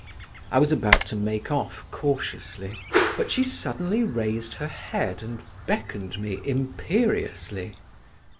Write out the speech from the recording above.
I was about to make off cautiously, but she suddenly raised her head and beckoned me imperiously.